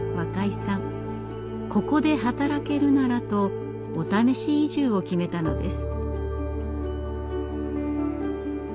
ここで働けるならとお試し移住を決めたのです。